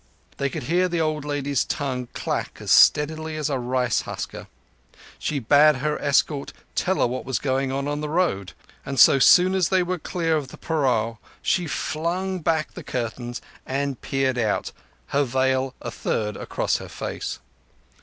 They could hear the old lady's tongue clack as steadily as a rice husker. She bade the escort tell her what was going on on the road; and so soon as they were clear of the parao she flung back the curtains and peered out, her veil a third across her face.